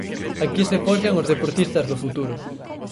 Aquí se forxan os deportistas do futuro.